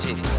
tapi pak pak